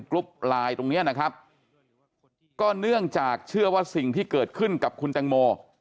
กรุ๊ปไลน์ตรงเนี้ยนะครับก็เนื่องจากเชื่อว่าสิ่งที่เกิดขึ้นกับคุณแตงโม